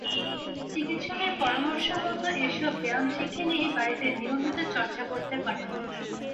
চিকিৎসকের পরামর্শমতো এসব ব্যায়াম শিখে নিয়ে বাড়িতেই নিয়মিত চর্চা করতে পারেন।